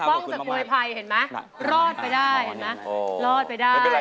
เห็นมั้ยรอดไปได้